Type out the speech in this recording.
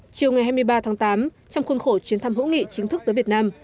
chiều ngày hai mươi ba tháng tám trong khuôn khổ chuyến thăm hữu nghị chính thức tới việt nam